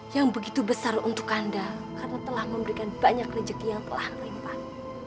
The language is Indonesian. yang begitu besar untuk anda karena telah memberikan banyak rezeki yang telah lipat